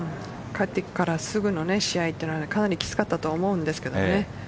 勝ってからすぐの試合というのは、かなりきつかったと思うんですけどね。